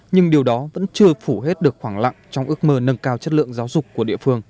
nhưng điều đó vẫn chưa phủ hết được khoảng lặng trong ước mơ nâng cao chất lượng giáo dục của địa phương